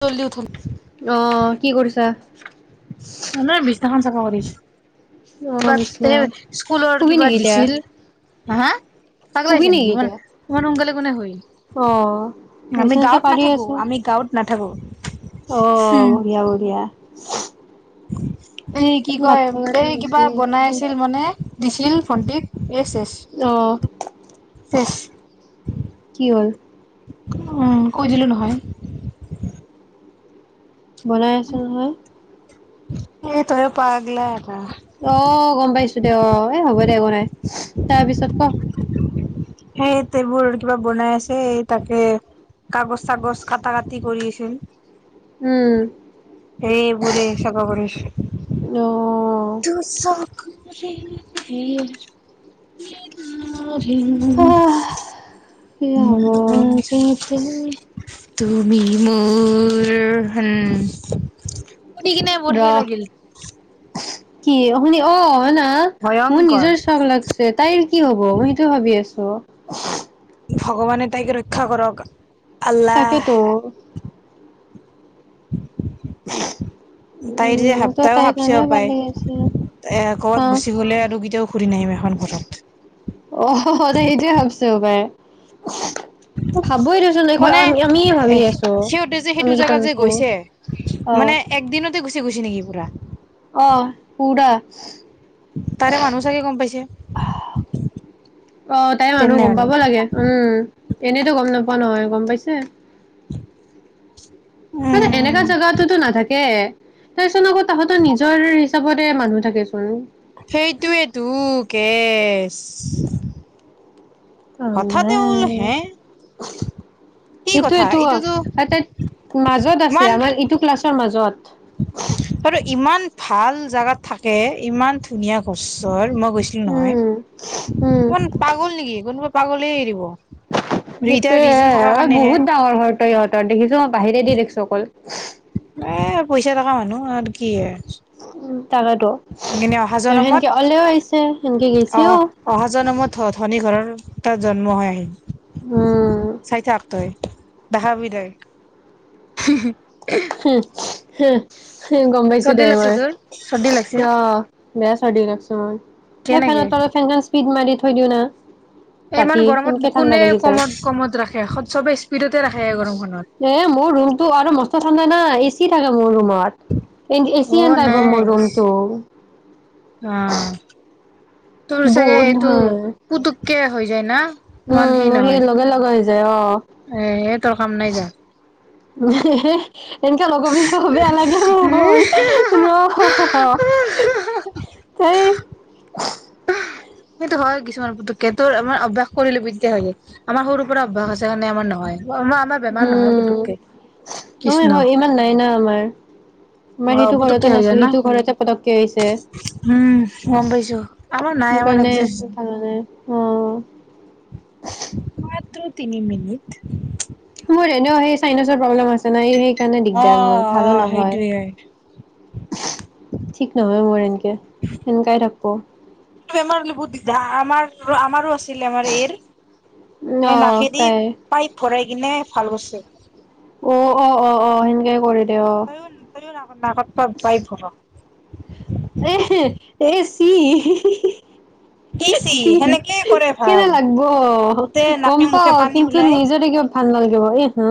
জল্দি উথুন অ, কি কৰিছা? এনেই বিছনাখন চাফা কৰি আছো। কিবা অ', এ বিচনাত স্কুলৰ শুবি কিবা নেকি এতিয়া? দিছিল। হা হা। পাগলা শুবি হৈছা নেকি? ইমান এতিয়া? ইমান সোনকালে কোনে শুৱে? অ', আমি বিচনা চিচনা গাঁৱত পাৰি নাথাকো, আছা? আমি গাঁৱত নাথাকো। অ, উম বঢ়িয়া বঢ়িয়া। এই কি ভাত কয়? খোৱাৰ এই টাইম কিবা হৈছে। বনাই আছিল মানে। দিছিল ভণ্টিক। এ চেছ। অ', চেছ। কি হ'ল? উম, কৈ দিলো নহয়। বনাই আছে নহয়। এ তইও পাগলা এটা। অ, গম পাইছো দে অ। এ হ'ব দে একো নাই। তাৰ পিছত ক? সেইট এইবোৰ কিবা বনাই আছে। এই তাকে কাগজ চাগজ কাটা কাটি কৰি আছিল। উম। সেইবোৰে চাফা কৰি আছো। অ। দুচকুৰে এৰ কি যে হ'ব [unintelligible] তুমি মোৰ হে। সুধি কিনে বৰ ৰ সেই লাগিল। কি শুনি অ অনা। মোৰ ভয়ংকৰ নিজৰ চখ লাগছি তাইৰ কি হ'ব? মই সেইটো ভাবি আছো? ভগৱানে তাইক ৰক্ষা কৰক। তাকে আল্লাহ ত'। উম তাইৰ যে মোকতো সাপ্তাহ তাইৰ ভাবচে কাৰণে ভাল সপায়। লাগিছে এ হা ক'বাত গুচি গ'লে আৰু কেতিয়াও ঘূৰি নাহিম এখন ঘৰত। [unintelligible] সদায় সেইটোৱে ভাবিছোঁ সপাই। মই ভাবই দিছ দেখো মানে আমি আমিয়ে এ ভাবি আছো, সিহঁতে যে আমি সেইটো কেইটা জেগাত যে নুঠো। গৈছে মানে অ। একদিনতে গুচি গৈছে নেকি পুৰা? অহ পুৰা তাৰে উহ মানুহ চাগে গম পাইছে আহ। অ তাইৰ তেনে মানুহ গম আৰু পাব লাগে, উম এনেতো গম নাপোৱা নহয় গম পাইছে। মানে এনেকা উম জাগাতোতো নাথাকে। তাৰচোন আকৌ তহঁতৰ নিজৰ হিচাপতে মানুহ থাকেচোন। সেইটোৱেটো কেচ। কাম কথাতে ওল হে কি সেইটো কথা এটো অ, এইটোতো আটাইত মাজত আছে ইমান আমাৰ ইটো ক্লাছৰ মাজত। আৰু ইমান ভাল জাগাত থাকে, ইমান ধুনীয়া গছৰ মই গৈছ তি নহয়, উম উম কোন পাগল নেকি কোনোবা পাগলে এৰি দিব? সেইটোয়ে বহুত ডাঙৰ ঘৰটো ইহঁতৰ দেখিছো বাহিৰেদি দেখিছো অকল। এ পইচা থকা মানুহ আৰু কি এ। উম তাকেটো। আৰু জনমত সেনকে ওলেও আহিছে সেনকে গেছেও। ধ ধনী ঘৰৰ তাত জন্ম হৈ উম আহিম, চাই থাক। তই, দেখা পাবি দেই হুহু, উহ। হুম হু হু গম পাইছো চৰ্দি দে লাগছে মই, তোৰ চৰ্দি লাগছে অ। বেয়া চৰ্দি লাগছে মোৰ, এই ফেনৰ কেনেকে তলত ফেনখন স্পীড মাৰি থৈ দিওঁ না। এই ইমান ৰাতি ব সেনকে গৰমত ঠাণ্ডা কোনে লাগি যায়। কমত কমত ৰাখে খ চবে স্পীডতে ৰাখে গৰমখনত। এ মোৰ ৰুমটো আৰু মস্ত ঠাণ্ডা না এচি থাকে মোৰ ৰুমত। এন অ এচিয়ান টাইপৰ নাই মোৰ ৰুমটো। অ, তোৰ চাগে বহুত এইটো ভাল। পুতুককে হৈ যায় না? ইমান উম সেই মোৰ নহয়, লগে লগা হৈ যায় অ। এ তৰ কাম নাই যা। উম হেহে, এনকে নকবিচোন বেয়া লাগে মোৰ [unintelligible] ৰহ হ হ হ। তেই। সেইটো হয় কিছুমান পুতুককে তোৰ আমাৰ অভ্যাস কৰিলে বেছি হয়গে। আমাৰ সৰুৰ পৰা অভ্যাস আছে কাৰণে আমাৰ নহয়, ব আমা আমাৰ বেমাৰ নহয় উম, পুতুককে কৃষ্ণ মোৰ হয় ইমান নাই না আমাৰ। আমাৰ অ সেইটো পুতুককে ঘৰতো হৈ যায় নাছিলে না ইটো ঘৰতে পতককে হৈছে। উম গম পাইছো আমাৰ নাই আমাৰ সেইকাৰণে একজাষ্ট আৰু ভাল নালাগে, অ। মাত্ৰ তিনি মিনিট। মোৰ এনেও সেই চাইনাচৰ প্ৰব্লেম আছে না এই সেইকাৰণে অ দিগদাৰ মোৰ অ ভালো নহয়। সেইটোয়ে ঠিক নহয় মোৰ এনেকে, সেনেকাই থাকো। টো বেমাৰ হলে বহুত দিগদাৰ আ আমাৰ আমাৰো আছ তিলে আমাৰ এইৰ অ এ নাকেদি তাই পাইপ ভৰাই কিনে ভাল কৰিছে। অ, অ, অ, অ, সেনেকে কৰিলে অ। [unintelligible] [unintelligible] এ কৰে ভ কেনে লাগব গম মুখে পাও পানী কিন্তু ওলাই নিজৰে কিবা ভাল নালাগিব এই হু।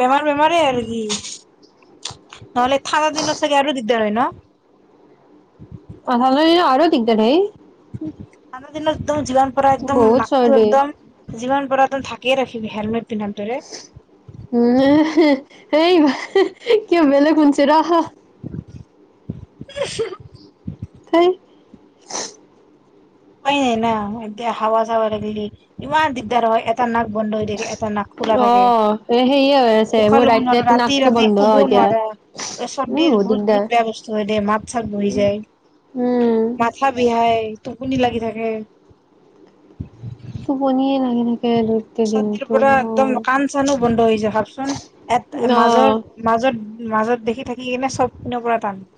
বেমাৰ বেমাৰেই আৰু কি নহলে ঠাণ্ডা দিনত চাগে আৰু দিগদাৰ হয় ন? অ হ'লেই আৰু দিগদাৰেই। ঠাণ্ডা দিনত একদম যিমান পাৰা একদম বহুত নাকটো চৰ্দি একদম যিমান পাৰা ধাকিয়ে ৰাখিবি হেলমেট পিন্ধাৰটোৰে। কিবা বেলেগ শুনিছে ৰ। [unintelligible] হেই। উপাই নাই না, এতিয়া হাৱা চাৱাৰ লাগিলি ইমান দিগদাৰ হয়। এটা নাক বন্ধ হৈ থাকে এটা নাক খোলা অ থাকে। এ সেয়ে হৈ আছে উশাহ মোৰ ল'ব ৰাইট নোৱাৰো লেফ ৰা ৰাতি নাকটো ৰাতি বন্ধ শুব এতিয়া নোৱাৰা, উম চদিৰ বহুত দিগদাৰ বেয়া বস্তু হয় দেই মাত চাত বহি যায়। উমঁ। মাথা বিষাই, টোপনি লাগি থাকে। টোপনিয়ে লাগি থাকে। গোটেই চৰ্দিৰ দিনটো পৰা একদম কাণ চানো বন্ধ হৈ যায় ভাবচোন। এট অ মাজৰ মাজত-মাজত দেখি থাকি কিনে চবপিনৰ পৰা টান।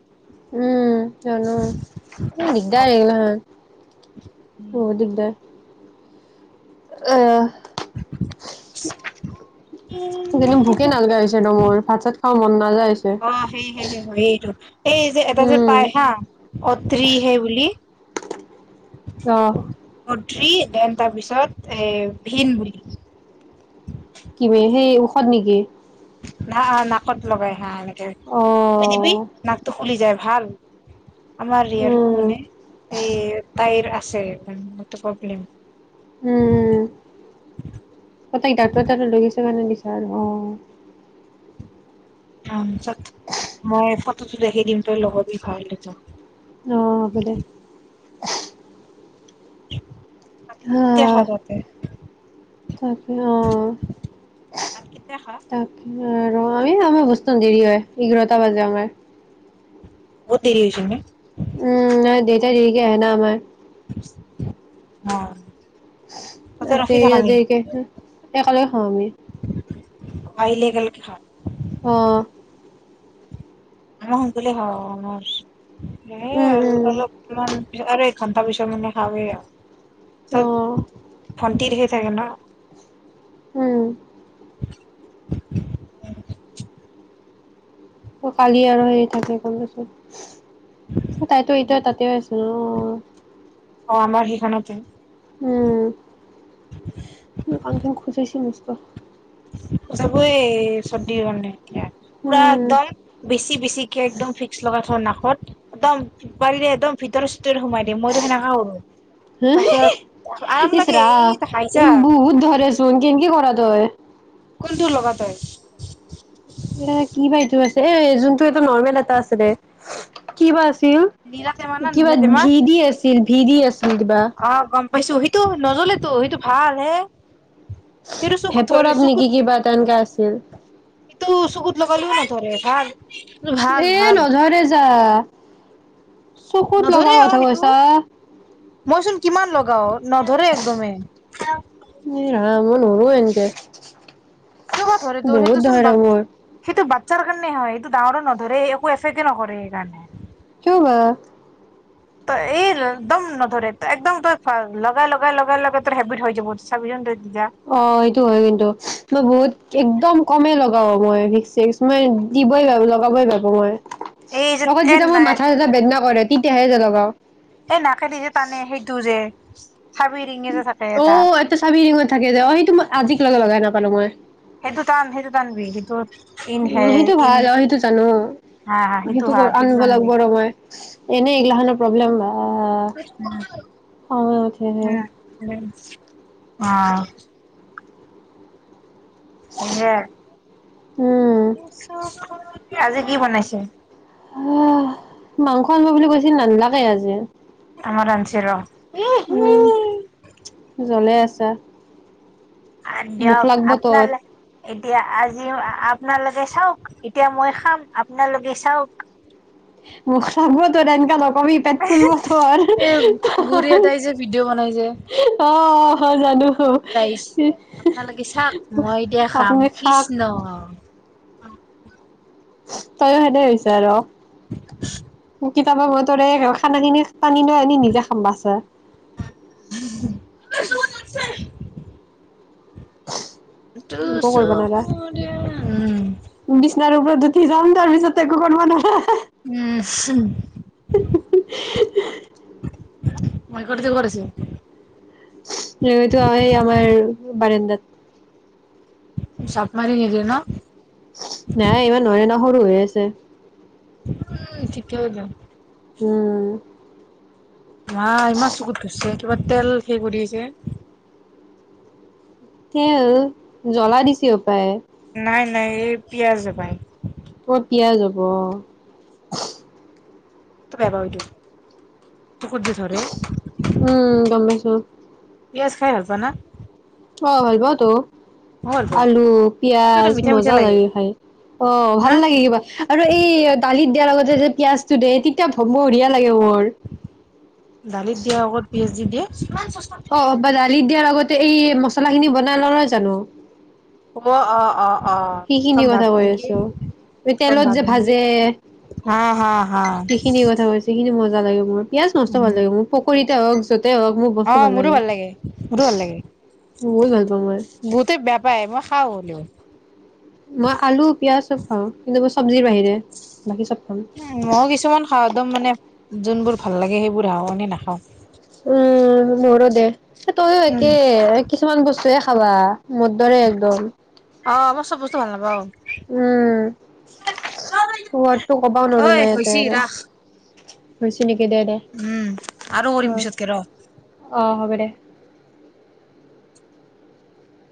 উমঁ' জানোঁ দিগদাৰ [unintelligible] বহুত দিগদাৰ। এহ। এইকেইদিন ভোকে নালগা হৈছে মোৰ ভাত চাত খাব মন নাযায় হৈছে। অঁ' সেই সেই সেইটো। এই যে এটা যে উম পাই হা' অতি হে বুলি। অহ অটি তাৰপিছত এ ভিন বুলি। কিবি সেই ঔষধ নেকি? না-নাকত লগাই হা এনেকে। অঁ। দিবি নাকটো খুলি যায় ভাল। আমাৰ ই ৰিয়াৰো উম মানে এই তাইৰ আছে মানে প্ৰব্লেম। উমঁ' তাইক ডাক্তৰ তাত লৈ গৈছা [unintelligible] অঁ'। তাপিছত মই ফটোটো দেখি দিম তই লগাবি ভাল হৈ যাব। অঁ' হ'ব দে। [unintelligible] [unintelligible] তাক- আৰু ৰ ভাত আমি কেতিয়া খা? আমাৰ বস্তম দেৰি হয়, এঘাৰটা বাজে আমাৰ। বহুত দেৰি হৈছে নে। উমঁ' নাই দেউতাই দেৰিকে আহে না আমাৰ। অঁ। তাতে দেৰিকে আহেনে একেলগে খাওঁ আমি। আহিলে একে লগে খাওঁ। অঁ। আমাৰ শুনকালে হয় আৰু উম আমাৰ [unintelligible] উম অলপ মান আৰে একঘন্তা পিছত মানে খাওৱে অ আৰু। ভণ্টি হেৰি থাকে না। উম। ত' কালি আৰু হেৰি থাকে ক'বচোন, তাইতো এতিয়াও তাতে আছে ন'। অঁ' আমাৰ সেইখনতে। উমঁ' মোৰ কানখন খজুৱাইছে মষ্ট। খজাবই এই চৰ্দি হ'লে। পুৰা উম একদম বেছি বেছিকে একদম ভিক্স লগাই থ নাকত একদম বাৰীৰে একদম ভিতৰ চিতৰ সোমাই মইতো সেনেকা কৰো তাৰ পিছত আৰাম লাগে এই হাঁহিছা [unintelligible] ধৰে [unintelligible] কেনকে কৰা তয় কোনটো লগা তই এ কি বা এইটো আছে এ যোনটো এটা নৰ্মেল এটা আছিলে কি বা আছিল নীলা টেমা না কিবা নীলা টেমা ভি দি আছিল ভি দি আছিল কিবা অ গম পাইছো সেইটো নজ্বলেতো সেইটো ভাল হে সেইটো চকুত ভেপৰৱ ধৰি নেকি কিবা এটা এনেকা আছিল এইটো চকুত লগা লিও নধৰে ভাল ভাল এ ভাল নধৰে যা চকুত লগা নধৰে অ কথা সেইটো কৈছা মইচোন কিমান লগাও নধৰে একদমে এই ৰাম মই নৰো এনকে কিয় বা ধৰে তোৰ বহুত সেইটোচোন বা ধৰে মোৰ সেইটো বাচ্ছাৰ কাৰণে হয় এইটো ডাঙৰ নধৰে একো এফেক্টে নকৰে সেইকাৰণে কিয় বা [inaudible] ত এ একদম নধৰে একদম তই লগাই লগাই লগাই লগাই তোৰ হেবিট হৈ যাব চাবিচোন তই [unintelligible] অ সেইটো হয় কিন্তু মই বহুত একদম কমেই ল- [unintelligible] [unintelligible] এই যে এ নাই বেদনা কৰে তেতিয়াহে যে লগাও এই নাকেদি যে টানে সেইটো যে চাবি ৰিঙি যে থাকে এটা চাবি ৰিঙত থাকে যে অ সেইটো মই আজিক লকে লগাই নাপালোঁ মই সেইটো টান সেইটো টানবি সেইটো ইন উম হে সেইটো ইন ভাল আৰু সেইটো জানো হা হা সেইটো হা আনিব টানবি লাগিব ৰ মই এনেই এই গ্লা হতৰ প্ৰব্লেম [unintelligible] খঙে উ উঠেহে অ [unintelligible] উম আজি কি বনাইছে অ মাংস আনিব বুলি কৈছিল নানি লাগে আজি আমাৰ আনছি ৰ' উম জ্বলে আছা আৰু মুখ দিয়ক লাগব আপোনা তোৰ [unintelligible] এতিয়া আজি আপোনালোকে চাওঁক এতিয়া মই খাম আপনালোকে চাওঁক [unintelligible] এনেকা নকবি পেট ফুলব তৰ এ বুঢ়ী এটাই যে ভিডিঅ' বনাই যে অ হয় জানো [unintelligible] আপুনি খাক তইয়ো সেনে হৈছে আৰু [unintelligible] কেতিয়াবা মই তৰে খানা খিনি টানি লৈ আনি নিজে খাম [unintelligible] [unintelligible] [inaudible] একো কৰিব নোৱাৰা দুচককোৰে উম বিচনাৰ ওপৰত উঠি যাম তাৰ পিছত একো কৰিব নোৱাৰা উম, উম। [inaudible] [unintelligible] ক'ত আছে? [unintelligible] আমাৰ বাৰন্দাত। চাপ মাৰি নিদিয়ে ন'। নাই ইমান নোৱাৰে ন' সৰু হৈ আছে। উম, ঠিকে হ'লে। উম। মা ইমান চকুত ধৰছে কিবা তেল সে কৰি আছে। তেল, জ্বলা দিছি হপাই। নাই, নাই, এই পিয়াঁজ হপায়। ক'ত পিয়াঁজ হ'ব। টো বহুত বেয়া পাওঁ এইটো চকুত যে ধৰে। উম, গম পাইছোঁ। পিয়াঁজ খাই ভাল পা না? অ', ভালপাওঁ তো। মইও ভাল পাওঁ আলু, কিবা এটা পিয়াঁজ মিঠা মিঠা মজা লাগে খাই অ', না ভাল লাগে কিবা। আৰু এই দালিত দিয়াৰ লগতে যে পিয়াঁজটো দিয়ে তেতিয়া বঢ়িয়া লাগে মোৰ। দালিত দিয়া আগত পিয়াঁজ দি দিয়ে। অ', বা দালিত দিয়াৰ আগতে এই মছলাখিনি বনাই ল নহয় জানো। অ', অ', অ', অ', সেইখিনি সম্ভাত কথা কৈ নেকি? আছো। এই তেলত সম্ভাদ যে নেকি ভাজে হা, হা, হা। গোটেইখিনি মজা লাগে মোৰ পিয়াঁজ মষ্ট ভাল উম লাগে মোৰ পকৰীতে হওঁক য'তে হওঁক মোক অ', মোৰো ভাল লাগে, মোৰো ভাল লাগে। বহুত ভাল পাওঁ মই। বহুতে বেয়া পায় মই খাওঁ হ'লেও। মই আলু, পিয়াঁজ চব খাওঁ কিন্তু মই চব্জিৰ বাহিৰে। বাকী চব খাওঁ। উম, ময়ো কিছুমান খাওঁ একদম মানে যোনবোৰ ভাল লাগে সেইবোৰ খাওঁ মানে নাখাওঁ। উম, মোৰো দে তয়ো উম একে কিছুমান বস্তুৱেই খাৱা। মোৰ দৰে একদম। অ', মই চব বস্তু ভাল নাপাওঁ। উম, সোৱাদটো কবাও ঐ নোৱাৰো না হৈছি ইয়াতে আৰু। ৰাস হৈছে নেকি দে দে। উম, আৰু অ কৰিম পিছতকে ৰ'। অ', হ'ব দে।